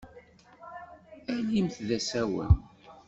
Alimt d asawen.